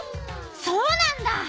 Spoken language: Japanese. そうなんだ！